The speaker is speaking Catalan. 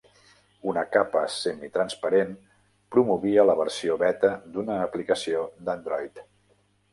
Una capa semitransparent promovia la versió beta d'una aplicació d'Android.